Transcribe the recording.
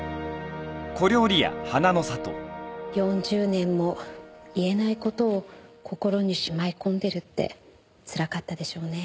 ４０年も言えない事を心にしまい込んでるってつらかったでしょうね。